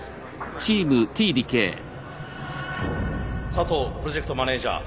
佐藤プロジェクトマネージャー